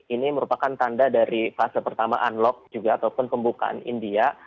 ini merupakan tanda dari fase pertama unlock juga ataupun pembukaan india